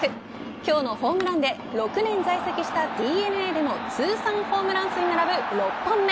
今日のホームランで６年在籍したＤｅＮＡでの通算ホームラン数に並ぶ６本目。